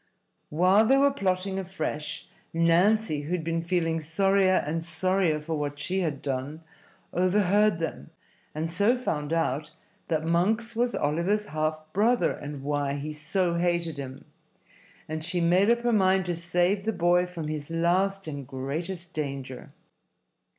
While they were plotting afresh Nancy, who had been feeling sorrier and sorrier for what she had done, overheard them, and so found out that Monks was Oliver's half brother and why he so hated him; and she made up her mind to save the boy from his last and greatest danger.